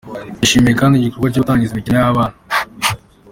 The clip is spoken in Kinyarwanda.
Yashimiye kandi iigikorwa cyo gutangiza imikino y’ abana.